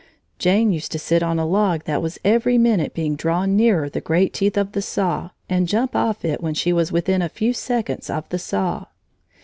Jane used to sit on a log that was every minute being drawn nearer the great teeth of the saw and jump off it when she was within a few inches of the saw.